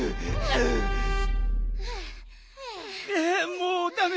もうダメ！